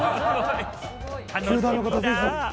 球団の方、ぜひ。